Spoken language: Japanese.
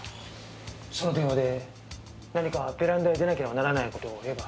その電話で何かベランダへ出なければならないような事を言えば。